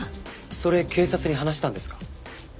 それ警察に話したんですか？